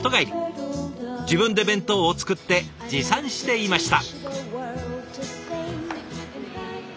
自分で弁当を作って持参していました。